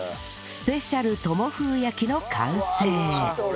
スペシャル友風焼きの完成